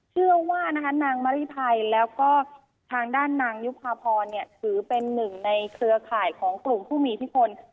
เชื่อว่านางมาริภัยแล้วก็ทางด้านนางยุภาพรถือเป็นหนึ่งในเครือข่ายของกลุ่มผู้มีอิทธิพล